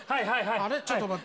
あれ、ちょっと待って。